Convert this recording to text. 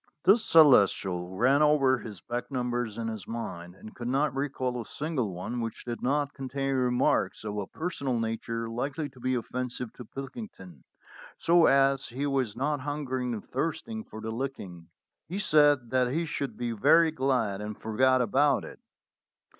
The Celestial ran over his back numbers in his mind, and could not recall a single one which did not con tain remarks of a personal nature likely to be offensive to Pilkington, so, as he was not hungering and thirst ing for a licking, he said that he should be very glad and forgot about it.